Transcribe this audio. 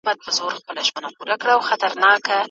بوزه چي هم پرېوځي ځای په پښو پاکوي.